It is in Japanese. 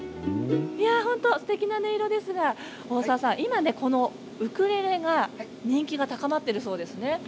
本当、すてきな音色ですが大澤さん、今このウクレレが人気が高まっているそうですね。